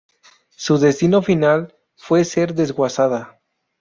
Su destino final fue ser desguazada.